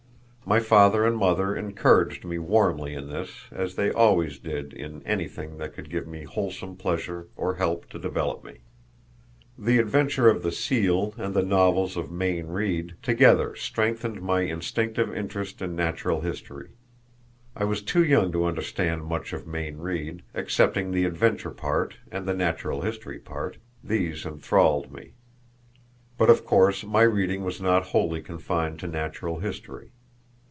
My father and mother encouraged me warmly in this, as they always did in anything that could give me wholesome pleasure or help to develop me. The adventure of the seal and the novels of Mayne Reid together strengthened my instinctive interest in natural history. I was too young to understand much of Mayne Reid, excepting the adventure part and the natural history part these enthralled me. But of course my reading was not wholly confined to natural history.